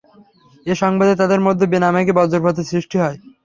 এ সংবাদে তাদের মধ্যে বিনা মেঘে বজ্রপাতের সৃষ্টি হয়।